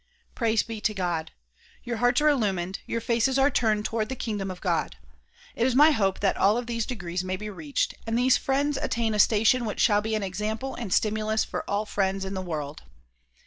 Praise be to God! your hearts are illumined, your faces are turned toward the kingdom of God. It is my hope that all of these degrees may be reached and these friends attain a station which shall be an example and stimulus for all friends in the world.